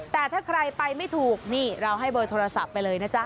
แต่ถ้าใครไปไม่ถูกนี่เราให้เบอร์โทรศัพท์ไปเลยนะจ๊ะ